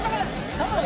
頼む！